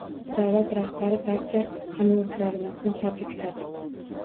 Davlat rahbari barcha hamyurtlarimizni tabrikladi.